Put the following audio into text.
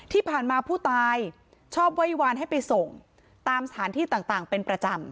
ที่ผ่านมาผู้ตายชอบไว้วานให้ไปส่งตามสถานที่ต่างเป็นประจำ